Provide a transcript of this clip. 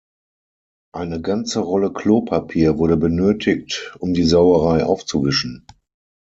Eine ganze Rolle Klopapier wurde benötigt um die Sauerei aufzuwischen.